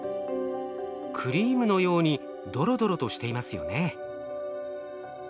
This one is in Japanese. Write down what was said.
クリームのようにドロドロとしていますよね。